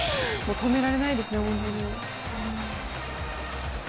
止められないですね、本当に。